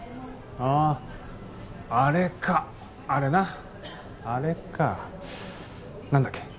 あああれかあれなあれか何だっけ？